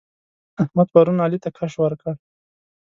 احمد پرون علي ته کش ورکړ.